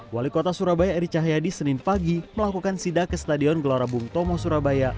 wali kota surabaya eri cahyadi senin pagi melakukan sida ke stadion gelora bung tomo surabaya